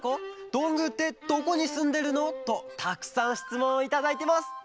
「どんぐーってどこにすんでるの？」とたくさんしつもんをいただいてます！